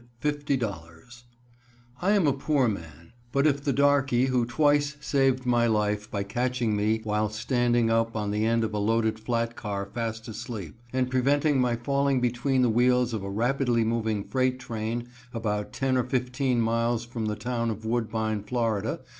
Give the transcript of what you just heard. $50.00 I am a poor man, but if the darkey, who twice saved my life by catching me while standing up on the end of a loaded flat car fast asleep, and preventing my falling between the wheels of a rapidly moving freight train about ten or fifteen miles from the town of Woodbine, Fla.